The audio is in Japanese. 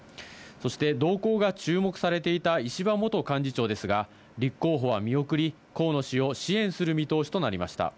そして、動向が注目されていた石破元幹事長ですが、立候補は見送り、河野氏を支援する見通しとなりました。